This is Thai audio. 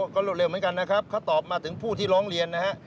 ก็รวดเร็วเหมือนกันนะครับเขาตอบมาถึงผู้ที่ร้องเรียนนะฮะ